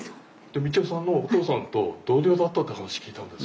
道代さんのお父さんと同僚だったって話聞いたんです。